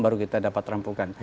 baru kita dapat rampungkan